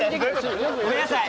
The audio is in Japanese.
ごめんなさい。